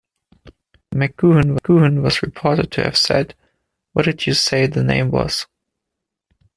McGoohan was reported to have said What did you say the name was?